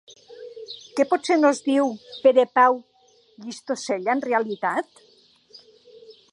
Que potser no es diu Perepau Llistosella, en realitat?